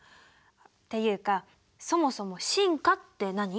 っていうかそもそも進化って何？